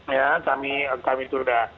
ya kami tunda